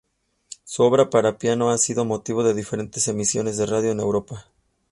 Su obra para piano ha sido motivo de diferentes emisiones de radio en Europa.